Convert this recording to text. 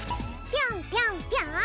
ぴょんぴょんぴょん！